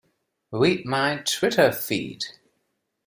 Read my Twitter feed.